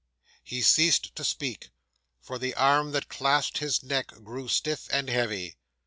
'He ceased to speak: for the arm that clasped his neck grew stiff and heavy.